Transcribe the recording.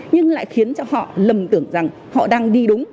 nhưng lại khiến cho họ lầm tưởng rằng họ đang đi đúng